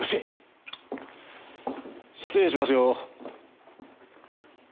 失礼しますよ。